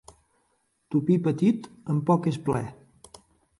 Tupí petit, amb poc és ple.